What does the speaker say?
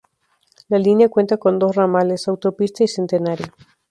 La línea cuenta con dos ramales: Autopista y Centenario.